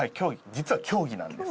実は競技なんです。